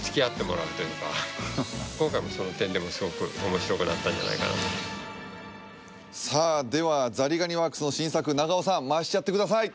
今回もその点でもすごく面白くなったんじゃないかなとさあではザリガニワークスの新作長尾さん回しちゃってください